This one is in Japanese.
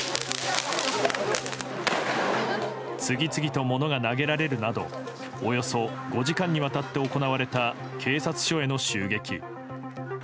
次々と物が投げられるなどおよそ５時間にわたって行われた警察署への襲撃。